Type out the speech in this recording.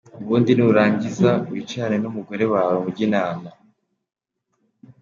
Ubundi nurangiza wicarane n'umugore wawe mujye inama.